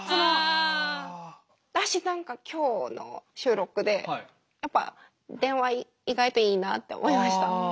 私何か今日の収録でやっぱ電話意外といいなって思いました。